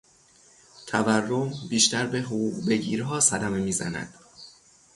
تورم، بیشتر به حقوق بگیرها صدمه میزند.